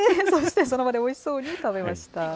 そしてその場でおいしそうに食べました。